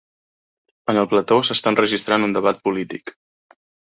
En el plató s'està enregistrant un debat polític.